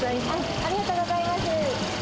ありがとうございます。